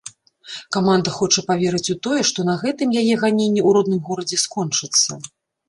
Каманда хоча паверыць у тое, што на гэтым яе ганенні ў родным горадзе скончацца.